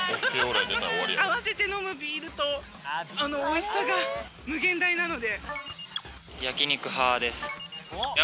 合わせて飲むビールと、あのおいしさが無限大なので。